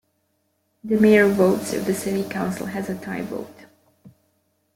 The mayor votes if the city council has a tie vote.